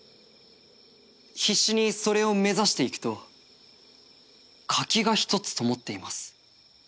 必死にそれを目指していくと柿がひとつ灯っています。